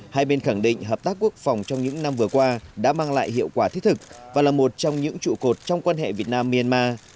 hai bên khẳng định hợp tác quốc phòng trong những năm vừa qua đã mang lại hiệu quả thiết thực và là một trong những trụ cột trong quan hệ việt nam myanmar